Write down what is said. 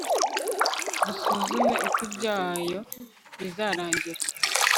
dusuzume uko ibyayo bizarangira